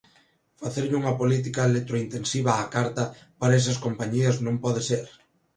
Facerlle unha política electrointensiva á carta para esas compañías non pode ser.